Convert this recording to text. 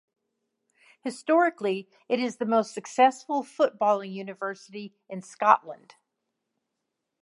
Historically it is the most successful footballing university in Scotland.